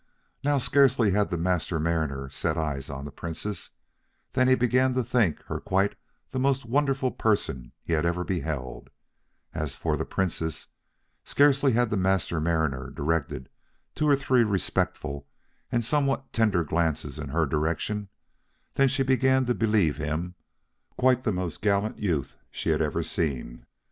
Now scarcely had the Master Mariner set eyes on the Princess, than he began to think her quite the most wonderful person he ever had beheld; as for the Princess, scarcely had the Master Mariner directed two or three respectful and somewhat tender glances in her direction, than she began to believe him quite the most gallant youth she had ever seen.